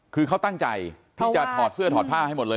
คือเขาตั้งใจที่จะถอดเสื้อถอดผ้าให้หมดเลย